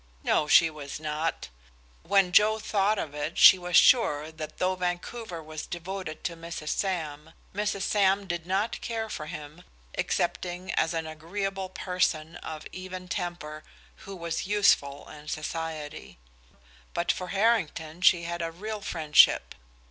No, she was not. When Joe thought of it she was sure that though Vancouver was devoted to Mrs. Sam, Mrs. Sam did not care for him excepting as an agreeable person of even temper, who was useful in society. But for Harrington she had a real friendship.